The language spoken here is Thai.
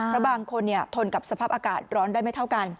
แล้วบางคนทนกับสภาพอากาศร้อนได้ไม่เท่ากัน